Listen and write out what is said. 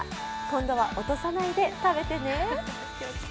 今度は落とさないで食べてね。